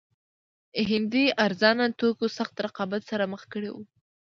هندي ارزانه توکو سخت رقابت سره مخ کړي وو.